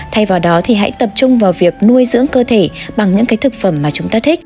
thay vào đó thì hãy tập trung vào việc nuôi dưỡng cơ thể bằng những cái thực phẩm mà chúng ta thích